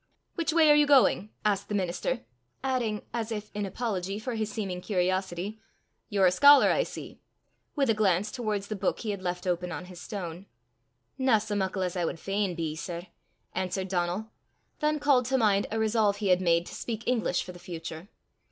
"Which way are you going?" asked the minister, adding, as if in apology for his seeming curiosity, " You're a scholar, I see!" with a glance towards the book he had left open on his stone. "Nae sae muckle as I wad fain be, sir," answered Donal then called to mind a resolve he had made to speak English for the future.